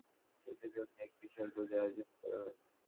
খুশিতে উনি এক বিশাল ভোজের আয়োজন করলেন।